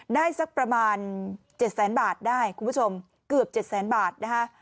ได้สักประมาณ๗๐๐๐๐๐บาทได้คุณผู้ชมเกือบ๗๐๐๐๐๐บาท